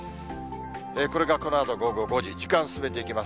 これがこのあと午後５時、時間進めていきます。